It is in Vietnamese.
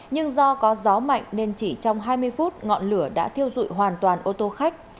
nhưng do có gió mạnh nên chỉ trong hai mươi phút ngọn lửa đã thiêu dụi hoàn toàn ô tô khách